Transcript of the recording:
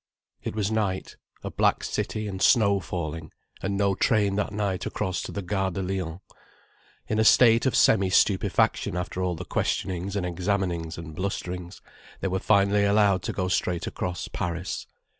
It was night, a black city, and snow falling, and no train that night across to the Gare de Lyon. In a state of semi stupefaction after all the questionings and examinings and blusterings, they were finally allowed to go straight across Paris.